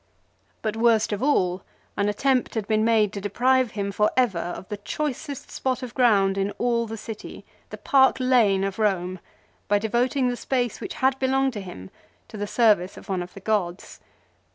But worst of all, an attempt had been made to deprive him for ever of the choicest spot of ground in all the city, the Park Lane of Rome, by devoting the space which had belonged to him to the service of one of the gods.